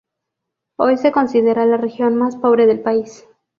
Hoy se considera la región más pobre del país.